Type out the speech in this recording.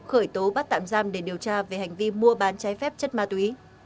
khởi tố bắt tạm giam để điều tra về hành vi mua bán trái phép chất ma túy